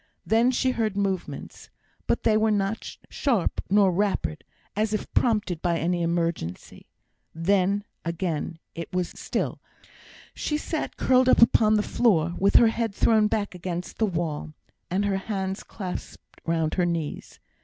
Then she heard movements, but they were not sharp or rapid, as if prompted by any emergency; then, again, it was still. She sat curled up upon the floor, with her head thrown back against the wall, and her hands clasped round her knees.